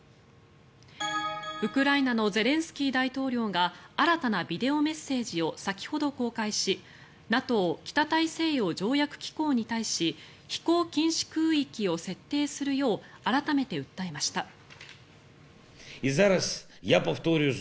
ウクライナのゼレンスキー大統領が新たなビデオメッセージを先ほど公開しＮＡＴＯ・北大西洋条約機構に対し飛行禁止空域を設定するよう改めて訴えました。